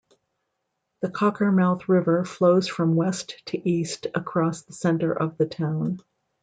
The Cockermouth River flows from west to east across the center of the town.